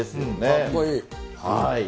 かっこいい。